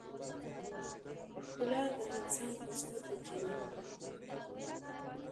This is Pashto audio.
ښکلا د انسان په سترګو کې وي.